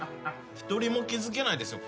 一人も気付けないですよ